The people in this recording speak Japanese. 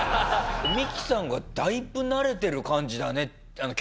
ミキさんがだいぶ慣れてる感じだね距離感。